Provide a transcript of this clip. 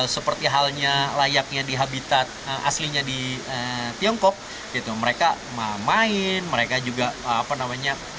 seperti halnya layaknya di habitat aslinya di tiongkok gitu mereka main mereka juga apa namanya